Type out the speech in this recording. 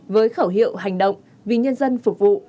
với khẩu hiệu hành động vì nhân dân phục vụ